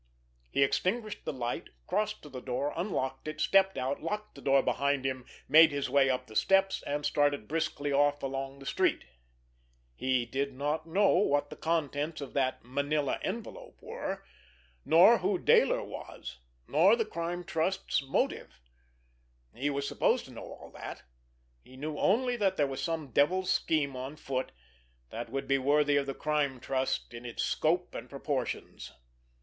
He extinguished the light, crossed to the door, unlocked it, stepped out, locked the door behind him, made his way up the steps, and started briskly off along the street. He did not know what the contents of that "manila envelope" were, nor who Dayler was, nor the Crime Trust's motive—he was supposed to know all that—he knew only that there was some devil's scheme on foot that would be worthy of the Crime Trust in its scope and proportions.